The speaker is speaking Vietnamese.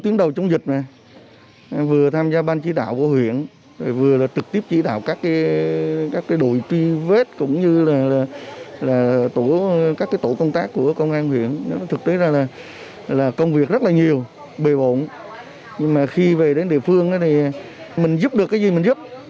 nhưng mà khi về đến địa phương thì mình giúp được cái gì mình giúp